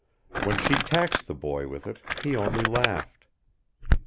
When she taxed the boy with it he only laughed.